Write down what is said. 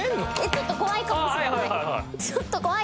ちょっと怖いかもしれない！